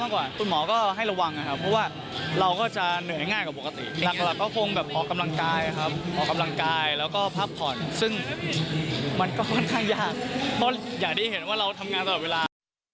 ก็ปรับผ่อนซึ่งมันก็กลางดูอย่างยาวควรอยากได้เห็นว่าเราทำงานตลอดเวลา